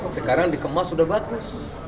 sekarang dikemas sudah bagus